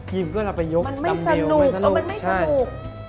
ยิ่มก็จะไปยกดำวิว